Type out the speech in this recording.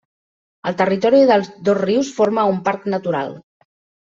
El territori dels dos rius forma un parc natural.